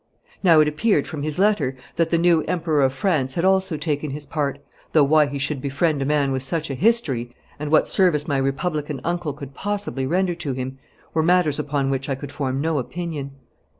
Now it appeared from his letter that the new Emperor of France had also taken his part, though why he should befriend a man with such a history, and what service my Republican uncle could possibly render to him, were matters upon which I could form no opinion.